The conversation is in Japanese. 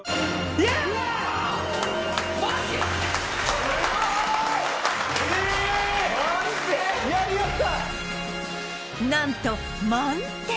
ええなんと満点！